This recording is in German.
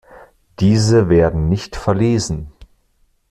Diese werden nicht verlesen.